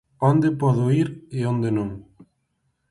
Onde podo ir e onde non?